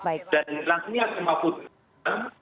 dan langsungnya kemampuan kita